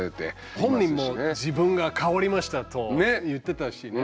本人も自分が変わりましたと言ってたしね。